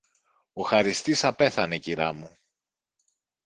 Ο χαριστής απέθανε, κυρά μου